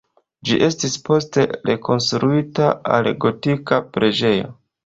Ĝi estis poste rekonstruita al gotika preĝejo.